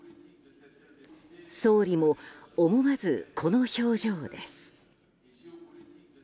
総理も思わずこの表情です。